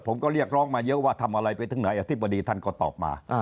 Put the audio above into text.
ผมก็เรียกร้องมาเยอะว่าทำอะไรไปถึงไหนอธิบดีท่านก็ตอบมา